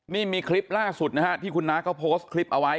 นี่มีคลิปล่าสุดนะฮะที่คุณน้าเขาโพสต์คลิปเอาไว้